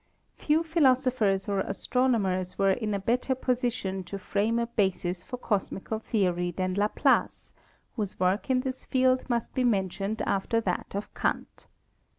Few philosophers or astronomers were in a better posi tion to frame a basis for cosmical theory than Laplace, whose work in this field must be mentioned after that of Kant.